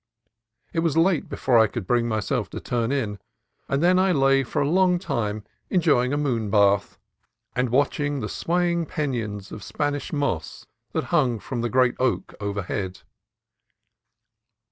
It was late before I could bring myself to turn in, and then I lay for a long time enjoying a moon bath, and watching the swaying pennons of Spanish moss that hung from the great oak overhead.